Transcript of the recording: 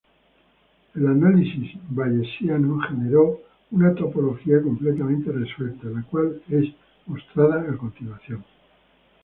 El análisis bayesiano generó una topología completamente resuelta la cual es mostrada a continuación.